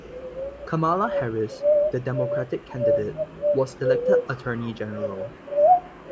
Kamala Harris, the Democratic candidate, was elected Attorney General.